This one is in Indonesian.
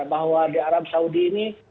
bahwa di arab saudi ini